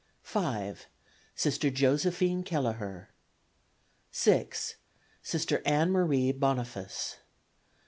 5. Sister Josephine Keleher. 6. Sister Ann Marie Boniface.